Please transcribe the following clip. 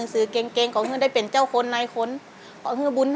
สู้ครับ